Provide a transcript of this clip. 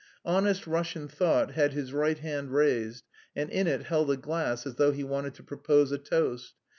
"Honest Russian thought" had his right hand raised and in it held a glass as though he wanted to propose a toast.